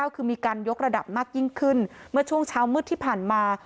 คือมีการยกระดับมากยิ่งขึ้นเมื่อช่วงเช้ามืดที่ผ่านมา